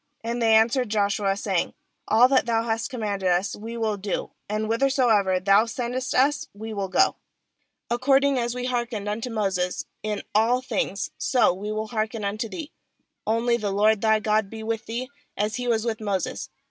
16And they answered Joshua, say ing: 'All that thou hast commanded us we will do, and whithersoever thou sendest us we will go. "According 261 1.17 JOSHUA as we hearkened unto Moses in all things, so will we hearken unto thee; only the LORD thy God be with thee, as He was with Moses.